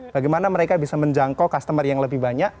bagaimana mereka bisa menjangkau customer yang lebih banyak